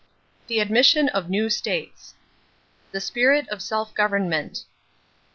THE ADMISSION OF NEW STATES =The Spirit of Self Government.